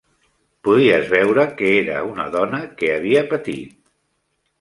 Podies veure que era una dona que havia patit.